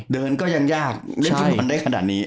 ก็ยังยากเล่นฟุตบอลได้ขนาดนี้